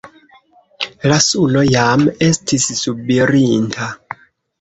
La suno jam estis subirinta.